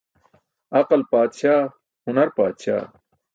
Aql paatśaa, hunar paatśaa.